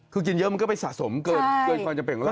คือกินเยอะมันก็ไปสะสมเกินความจำเป็นของเรา